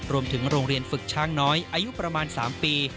โรงเรียนฝึกช้างน้อยอายุประมาณ๓ปี